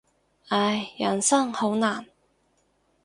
唉，人生好難。